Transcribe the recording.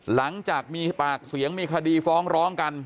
หลังจากมีปากเสียงมีคดีฟ้องร้องกัน